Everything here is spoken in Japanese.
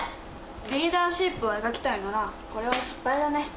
リーダーシップを描きたいならこれは失敗だね。